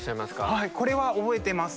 はいこれは覚えてます。